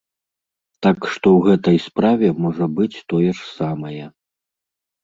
Так што ў гэтай справе можа быць тое ж самае.